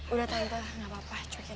udah tante gak apa apa cukup